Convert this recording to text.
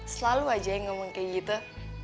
selalu aja yang ngomong kayak gitu